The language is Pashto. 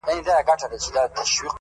د ميني شر نه دى چي څـوك يـې پــټ كړي ـ